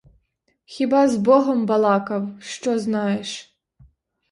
Хіба з богом балакав, що знаєш?